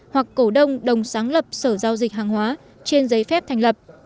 hoặc cổ đông đồng sáng lập sở giao dịch hàng hóa trên giấy phép thành lập